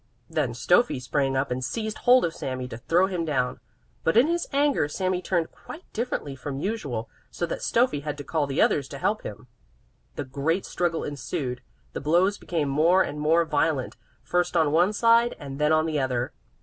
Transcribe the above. Then Stöffi sprang up and seized hold of Sami to throw him down; but in his anger Sami turned quite differently from usual, so that Stöffi had to call the others to help him. A great struggle ensued; the blows became more and more violent, first on one side and then on the other.